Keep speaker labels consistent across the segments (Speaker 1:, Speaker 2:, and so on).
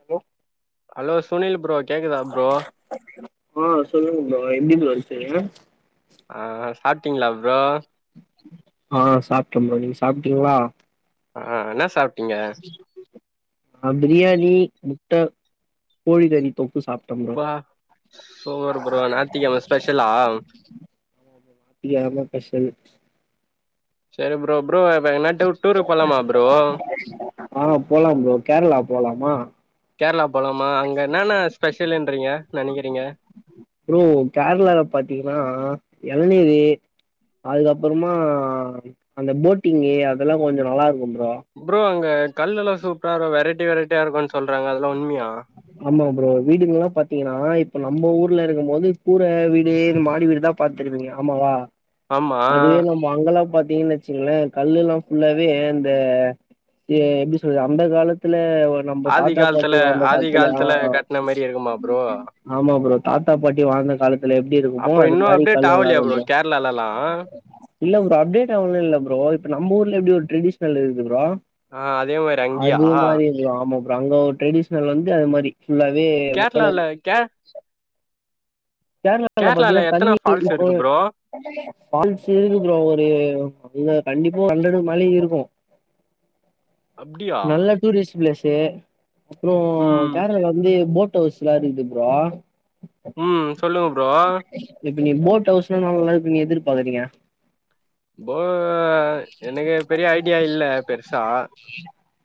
Speaker 1: hello
Speaker 2: hello Sunil bro கேக்குதா bro
Speaker 1: அ சொல்லுங்க ப்ரோ எப்டி ப்ரோ இருக்கீங்க
Speaker 2: அ சாப்ட்டிங்களா ப்ரோ
Speaker 1: அ சாப்ட்ட ப்ரோ நீங்க சாப்ட்டிங்களா
Speaker 2: அஹ் அன்னாஸ்
Speaker 1: அ பிரியாணி முட்ட கோழி கறி தொக்கு சாப்
Speaker 2: ப்பா சூப்பர் ப்ரோ ஞாத்திக்கிழம ஸ்பெஷலா
Speaker 1: இது எவ்ளோ ஸ்பெஷல்
Speaker 2: சேரி ப்ரோ ப்ரோ எங்கனா டூருக்கு போலாமா ப்ரோ
Speaker 1: அ போலாம் ப்ரோ கேரளா போலாமா
Speaker 2: கேரளா போலமா அங்க என்னன்ன ஸ்பெஷல்ன்றீங்க நெனைக்கிறீங்க
Speaker 1: ப்ரோ கேரளால பாத்திங்கன்னா எளநீரு அதுக்கப்பறமா அந்த போட்டிங்கு அதெல்லா கொஞ்சோ நல்லா இருக்கும் ப்ரோ
Speaker 2: ப்ரோ அங்க கல்லெல்லா சூப்பரா இரு வெரைட்டி வெரைட்டியா இருக்கும்ன்னு சொல்றாங்க அதெல்லா உண்மையா
Speaker 1: ஆமா ப்ரோ வீடுங்க எல்லா பாத்தீங்கன்னா இப்ப நம்ம ஊர்ல இருக்கம் போது கூர வீடு இந்த மாடி வீடுதா பாத்துருவீங்க ஆமாவா
Speaker 2: ஆமா
Speaker 1: அதுவே நம்ம அங்காலா பாத்தீங்கன்னு வச்சுங்களே கல்ல எல்லா ஃபுல்லாவே அந்த எ எப்டி சொல்றது அந்த காலத்துல வா நம்ம
Speaker 2: ஆதி
Speaker 1: தாத்தா
Speaker 2: காலத்துல
Speaker 1: பாட்டி
Speaker 2: ஆதி
Speaker 1: வாழ்ந்தகாலத்துல ஆ
Speaker 2: காலத்துல கட்ன மாரி இருக்குமா ப்ரோ
Speaker 1: ஆமா ப்ரோ தாத்தா பாட்டி வாழ்ந்த காலத்துல எப்டி இருக்குமோ அது மாரி கல் எல்லாரு வந்துறோ
Speaker 2: லலலா
Speaker 1: இல்ல ப்ரோ அப்டேட் ஆவனுலா இல்ல ப்ரோ இப்ப நம் ஊர்ல எப்டி ஒரு ட்ரெடிஷ்னல் இருக்கு ப்ரோ
Speaker 2: ஆ அதே மாரி அங்கயா
Speaker 1: அதே மாரி இங்கயு ஆமா ப்ரோ அங்க ஒரு ட்ரெடிஷ்னல் வந்து அது மாரி ஃபுல்லாவே
Speaker 2: கேரளால கே
Speaker 1: கேரளால பாத்தீங்கனா
Speaker 2: எத்தன
Speaker 1: தண்ணீர்
Speaker 2: ஃபால்ஸ்
Speaker 1: இப்ப
Speaker 2: இருக்கு ப்ரோ
Speaker 1: ஃபால்ஸ் இருக்கு ப்ரோ ஒரு இது கண்டிப்பா ஹண்டர்டுக்கு மேல யே இருக்கு
Speaker 2: அப்டியா
Speaker 1: நல்ல டூரிஸ்ட்டு பிளேசு அப்றோ
Speaker 2: ம்
Speaker 1: கேரளா வந்து போட் ஹவுஸ் ல்லா இருக்குது ப்ரோ
Speaker 2: ம் சொல்லுங்க ப்ரோ
Speaker 1: இப்ப நீ போட் ஹவுஸ்னா நல்லா இருக்கு நீ எதிர்பாக்குறீங்க
Speaker 2: போ எனக்கு பெரிய ஐடியா இல்ல பெருசா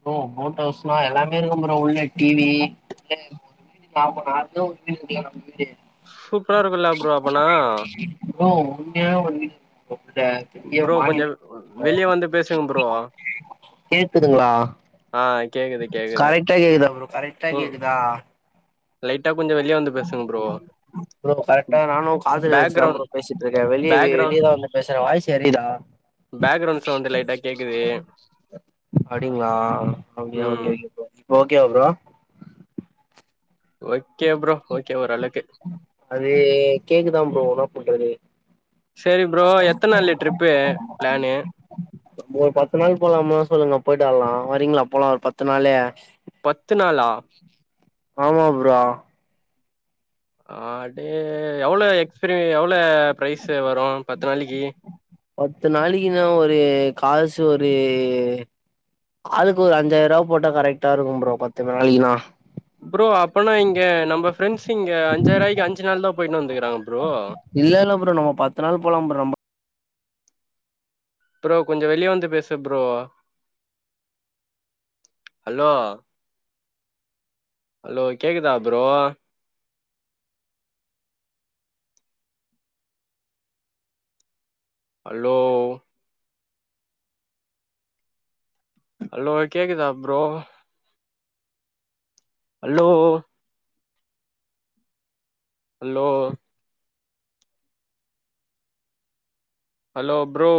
Speaker 1: ப்ரோ போட் ஹவுஸ்னா எல்லாமே இருக்கு ப்ரோ உள்ள டிவி [unintelligible] நா இப்ப நா இருந்தது ஒரிஜினல் வீடா அப்டி இருந்தது
Speaker 2: சூப்பரா இருக்குல ப்ரோ அப்பனா
Speaker 1: ப்ரோ ஒன்னே ஒண்ணி ருக்குது ப்ரோ உள்ள
Speaker 2: வெளிய வந்து பேசுங்க ப்ரோ
Speaker 1: கேக்குதுங்களா
Speaker 2: ஆய்
Speaker 1: கரெக்டா கேக்குதா ப்ரோ கரெட்டா
Speaker 2: ம்
Speaker 1: கேக்குதா
Speaker 2: லைட்டா கொஞ்சோ வெளிய வந்து பேசுங்க ப்ரோ
Speaker 1: ப்ரோ கரெட்டா நானு காதுல வச்சு தா
Speaker 2: பேக்ரவுண்ட்
Speaker 1: ப்ரோ பேசிட்டு இருக்கே வெளியவே
Speaker 2: பேக்ரவுண்ட்
Speaker 1: வெளியதா வந்து பேசுறே வாய்ஸ் எரயுதா
Speaker 2: பேக்ரவுண்ட் சவுண்ட் லைட்டா கேக்குது
Speaker 1: அடிங்ளா அப்டியா ஓகே
Speaker 2: ம்
Speaker 1: ஓகே ப்ரோ இப்ப ஓகேவா ப்ரோ
Speaker 2: ஓகே ப்ரோ ஓகே ஓரளக்கு
Speaker 1: அதே கேக்குதா ப்ரோ என்ன பண்றது
Speaker 2: செரி ப்ரோ எத்தன நாளு ட்ரிப்பு ப்ளானு
Speaker 1: ஒரு பத்து நாள் போலாமா சொல்லுங்க போய்ட்டு வரலா வரீங்ளா போலா ஒரு பத்து நாளு
Speaker 2: பத்து நாளா
Speaker 1: ஆமா ப்ரோ
Speaker 2: ஆடே எவ்ளோ எக்ஸ்பீரி எவ்ள ப்ரைசு வரு பத்து நாளிக்கி
Speaker 1: பத்து நாளைக்கினா ஒரு காசு ஒரு ஆளுக்கு ஒரு அஞ்சாயிரூவா போட்டா கரெக்டா இருக்கு ப்ரோ பத்து நாளைக்கினா
Speaker 2: ப்ரோ அப்பனா இங்க நம்ம ஃப்ரெண்ட்ஸ் இங்க அஞ்சாயிரூவாய்கு அஞ்சு நாள் தா போய்ட்டுனு வந்துக்கிறாங்க ப்ரோ
Speaker 1: இல்ல இல்ல ப்ரோ நம்ம பத்து நாள் போலா ப்ரோ நம்ப
Speaker 2: ப்ரோ கொஞ்சோ வெளிய வந்து பேசு ப்ரோ ஹலோ அலோ கேக்குதா ப்ரோ அலோ அலோ கேக்குதா bro hello hello hello bro